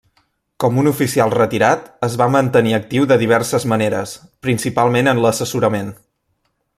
Com un oficial retirat, es va mantenir actiu de diverses maneres, principalment en l'assessorament.